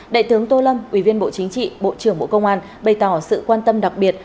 đại tướng tô lâm ủy viên bộ chính trị bộ trưởng bộ công an bày tỏ sự quan tâm đặc biệt